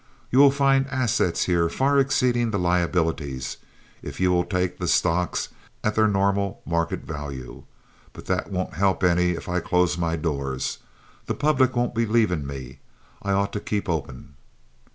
You will find assets here far exceeding the liabilities if you will take the stocks at their normal market value; but that won't help any if I close my doors. The public won't believe in me. I ought to keep open."